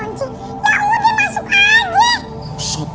ya udah masuk aja